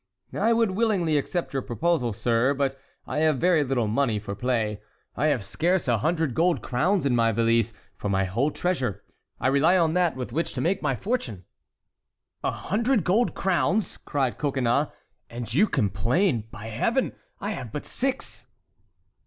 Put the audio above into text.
"I would willingly accept your proposal, sir, but I have very little money for play. I have scarce a hundred gold crowns in my valise, for my whole treasure. I rely on that with which to make my fortune!" "A hundred gold crowns!" cried Coconnas, "and you complain? By Heaven! I have but six!"